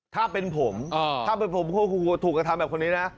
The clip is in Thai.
ถ้าเป็นผมถ้าเป็นผมถูกกระทำแบบคนนี้นะ